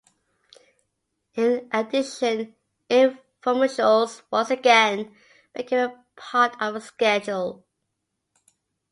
In addition, infomercials once again became a part of the schedule.